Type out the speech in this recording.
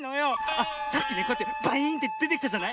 あっさっきこうやってバイーンってでてきたじゃない？